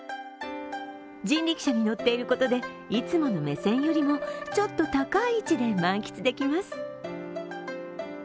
人力車に乗っていることで、いつもの目線よりもちょっと高い位置で満喫できます。